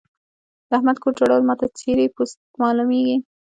د احمد کور جوړول ما ته څيرې پوست مالومېږي.